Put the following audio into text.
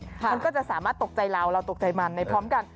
มันก็จะสามารถตกใจเราเราตกใจมันในพร้อมกัน